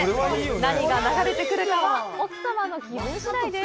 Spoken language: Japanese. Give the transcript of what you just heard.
何が流れてくるかは奥様の気分次第です！